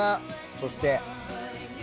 そして。